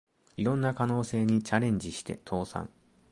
いろんな可能性にチャレンジして倒産